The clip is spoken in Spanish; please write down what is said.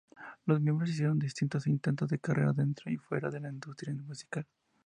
Los miembros hicieron distintos intentos de carrera dentro y fuera de la industria musical.